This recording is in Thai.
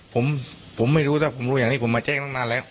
ผมผมไม่รู้ถ้าผมรู้อย่างนี้ผมมาแจ้งตั้งนานแล้ว